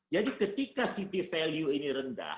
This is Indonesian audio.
ketika city value ini rendah